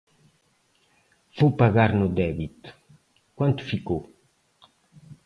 Vou pagar no débito. Quanto ficou?